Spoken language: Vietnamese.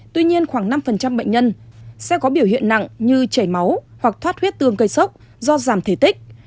tuy nhiên khoảng năm bệnh nhân xe có biểu hiện nặng như chảy máu hoặc thoát huyết tương cây sốc do giảm thể tích